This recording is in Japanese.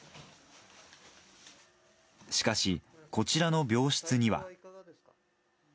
しかし、こちらの病室には。